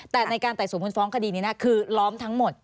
แต่ในการไต่สวนคุณฟ้องคดีนี้คือล้อมทั้งหมด